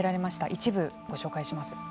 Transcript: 一部ご紹介します。